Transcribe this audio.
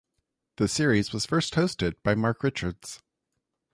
The series was first hosted by Mark Richards.